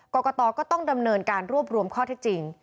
กรกตก็ต้องดำเนินการรวบรวมข้อเท็จจริง